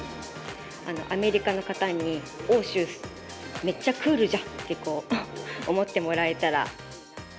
アメリカの方に、奥州、めっちゃクールじゃんって、思ってもらえたら。